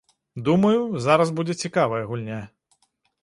Думаю, зараз будзе цікавая гульня.